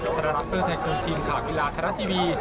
สารรับเฟิร์นแทนกรุงทีมขาวบิลาทะละทีวี